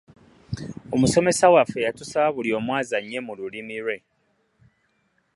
Omusomesa waffe yatusaba buli omu azannye mu lulimi lwe.